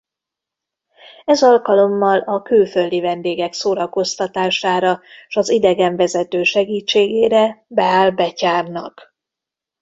Ez alkalommal a külföldi vendégek szórakoztatására s az idegenvezető segítségére beáll betyárnak.